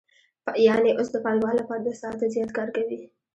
یانې اوس د پانګوال لپاره دوه ساعته زیات کار کوي